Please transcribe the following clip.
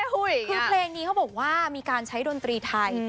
คือเพลงนี้เขาบอกว่ามีการใช้ดนตรีไทย